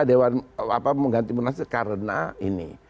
tidak kita dewan mengganti munas karena ini